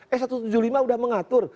eh satu ratus tujuh puluh lima udah mengatur